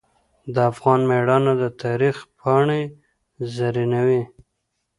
د افغان میړانه د تاریخ پاڼې زرینوي.